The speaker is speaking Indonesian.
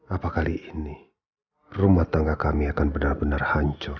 apa kali ini rumah tangga kami akan benar benar hancur